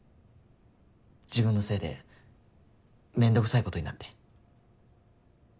自分のせいで面倒くさいことになって。